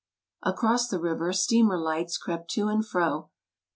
Across the river steamer lights crept to and fro.